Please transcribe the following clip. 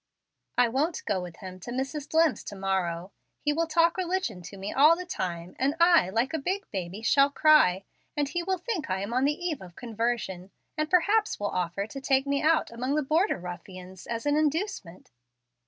I won't go with him to Mrs. Dlimm's to morrow. He will talk religion to me all the time, and I, like a big baby, shall cry, and he will think I am on the eve of conversion, and perhaps will offer to take me out among the border ruffians as an inducement.